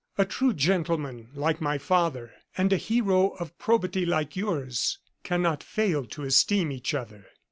A true gentleman like my father, and a hero of probity like yours, cannot fail to esteem each other.